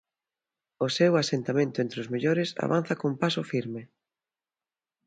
O seu asentamento entre os mellores avanza con paso firme.